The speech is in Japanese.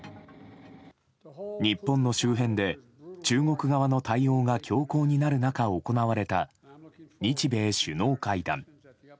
日本の周辺で中国側の対応が強硬になる中、行われた日米首脳会談。